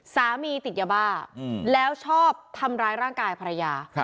ติดยาบ้าแล้วชอบทำร้ายร่างกายภรรยา